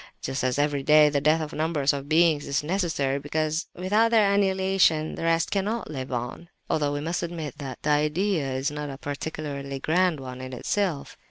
Just as every day the death of numbers of beings is necessary because without their annihilation the rest cannot live on—(although we must admit that the idea is not a particularly grand one in itself!)